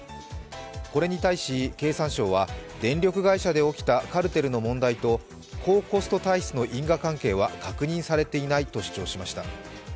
これに対し、経産省は電力会社で起きたカルテルの問題と高コスト体質の因果関係は確認されていないと主張しました。